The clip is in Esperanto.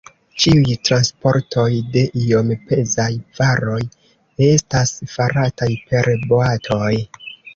Ĉiuj transportoj de iom pezaj varoj estas farataj per boatoj.